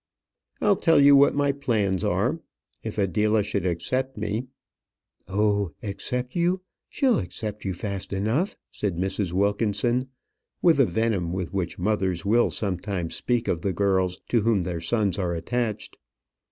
"I'll tell you what my plans are. If Adela should accept me " "Oh, accept you! She'll accept you fast enough," said Mrs. Wilkinson, with the venom with which mothers will sometimes speak of the girls to whom their sons are attached.